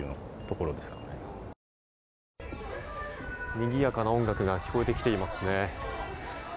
にぎやかな音楽が聴こえてきていますね。